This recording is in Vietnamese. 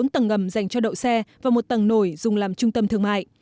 bốn tầng ngầm dành cho đậu xe và một tầng nổi dùng làm trung tâm thương mại